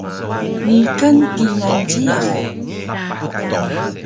Niqan kingal jiyax